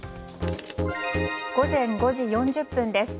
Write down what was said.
午前５時４０分です。